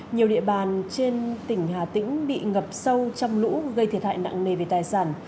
nhiều địa bàn trên tỉnh hà tĩnh bị ngập sâu trong lũ gây thiệt hại nặng nề về tài sản